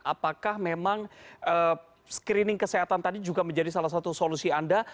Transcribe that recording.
apakah memang screening kesehatan tadi juga menjadi salah satu solusi anda